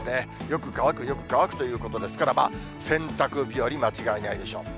よく乾く、よく乾くということですから、洗濯日和間違いないでしょう。